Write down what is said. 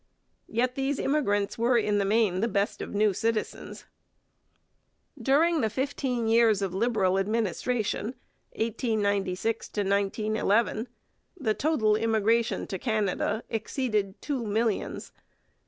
Yet these immigrants were in the main the best of new citizens. During the fifteen years of Liberal administration (1896 1911) the total immigration to Canada exceeded two millions.